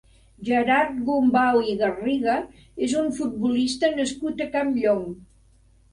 Gerard Gumbau i Garriga és un futbolista nascut a Campllong.